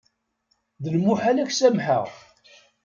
D lmuḥal ad ak-samḥeɣ.